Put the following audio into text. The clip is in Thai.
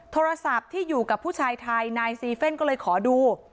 โทรศัพท์ที่อยู่กับผู้ชายไทยนายซีเฟ่นก็เลยขอดู